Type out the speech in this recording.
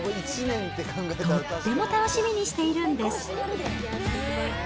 とっても楽しみにしているんです。